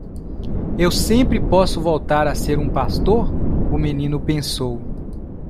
Eu sempre posso voltar a ser um pastor? o menino pensou.